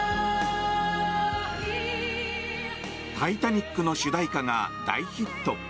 「タイタニック」の主題歌が大ヒット。